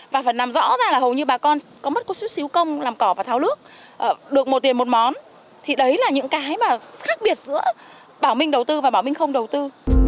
và phần nằm rõ ra là hầu như bà con có mất một xíu xíu công làm cỏ và tháo nước được một tiền một món thì đấy là những cái mà khác biệt giữa bảo minh đầu tư và bảo minh không đầu tư